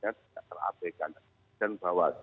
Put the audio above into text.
yang tidak terapikan dan bahwa